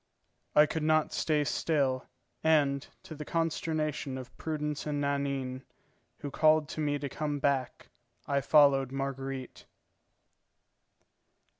I could not stay still; and, to the consternation of Prudence and Nanine, who called to me to come back, I followed Marguerite.